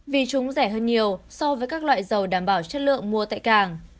vì chúng rẻ hơn nhiều so với các loại dầu đảm bảo chất lượng mua tại cảng